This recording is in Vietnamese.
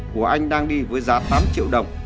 của anh đang đi với giá tám triệu đồng